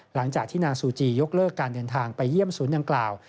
หลังจากที่นางซูจียกเลิกการเดินทางไปเยี่ยมศูนย์ดังกล่าว